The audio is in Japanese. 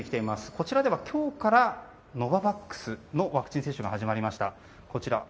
こちらでは今日からノババックスのワクチン接種が始まりました。